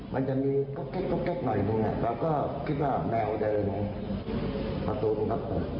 มันจะมีก็แก๊กหน่อยหนึ่งเราก็คิดว่าแนวเดินประตูมันก็เปิด